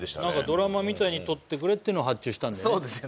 何かドラマみたいに撮ってくれってのを発注したんだよね